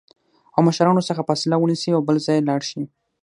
او مشرانو څخه فاصله ونیسي او بل ځای لاړ شي